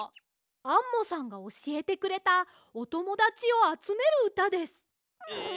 アンモさんがおしえてくれたおともだちをあつめるうたです。え？